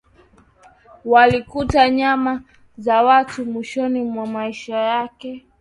walikuta nyama za watu Mwishoni mwa maisha yake